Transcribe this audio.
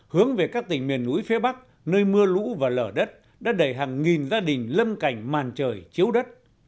hướng về các tỉnh miền núi phía bắc nơi mưa lũ và lở đất đã đẩy hàng nghìn gia đình lâm cảnh màn trời chiếu đất